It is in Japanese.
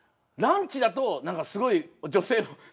ランチだと何かすごい女性も。